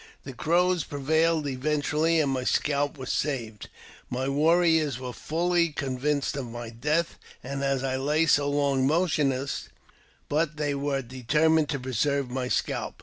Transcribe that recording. The Crows prevailed eventually, and my scalp was saved. My warriors were fully convinced of my death, as I lay so long motionless ; but they were determined to preserve my scalp.